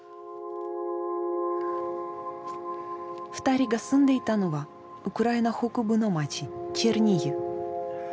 ２人が住んでいたのはウクライナ北部の街チェルニヒウ。